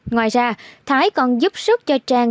ngoài ra thái còn giúp sức cho trang